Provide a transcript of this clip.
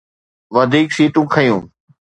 وڌيڪ سيٽون کٽيون